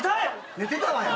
寝てたわよ。